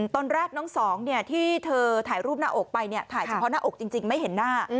ตอนแรกน้องสองที่เธอถ่ายรูปหน้าอกไปถ่ายเฉพาะหน้าอกจริงไม่เห็นหน้า